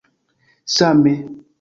same